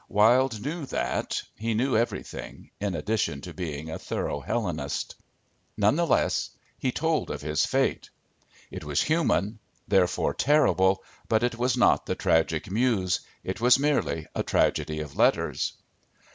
Wilde knew that, he knew everything, in addition to being a thorough Hellenist. None the less he told of his fate. It was human, therefore terrible, but it was not the tragic muse. It was merely a tragedy of letters.